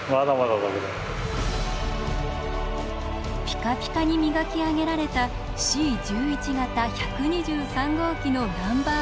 ピカピカに磨き上げられたＣ１１形１２３号機のナンバープレート。